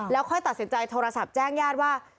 ค่อยตัดสินใจโทรศัพท์แจ้งญาติว่า